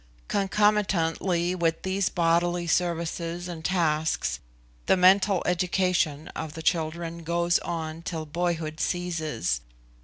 Concomitantly with these bodily services and tasks, the mental education of the children goes on till boyhood ceases.